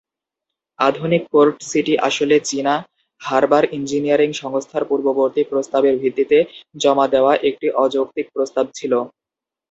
আধুনিক port city আসলে চীনা হারবার ইঞ্জিনিয়ারিং সংস্থার পূর্ববর্তী প্রস্তাবের ভিত্তিতে জমা দেওয়া একটি অযৌক্তিক প্রস্তাব ছিল।